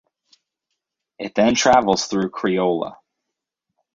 It then travels through Creola.